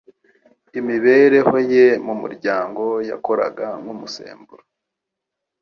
Imibereho ye mu muryango yakoraga nk'umusemburo.